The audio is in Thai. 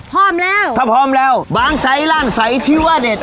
พร้อมแล้วถ้าพร้อมแล้วบางใสร้านใสที่ว่าเด็ด